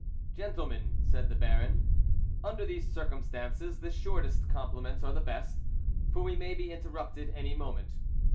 "Gentlemen," said the Baron, "under these circumstances the shortest compliments are the best, for we may be interrupted any moment.